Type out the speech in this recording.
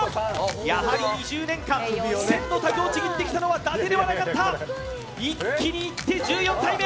やはり２０年間１０００のタグをちぎってきたのはダテではなかった一気にいって１４体目！